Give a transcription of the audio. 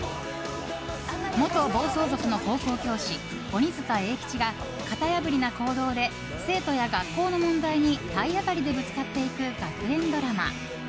元暴走族の高校教師・鬼塚英吉が型破りな行動で生徒や学校の問題に体当たりでぶつかっていく学園ドラマ。